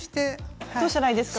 どうしたらいいですか？